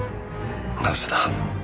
なぜだ？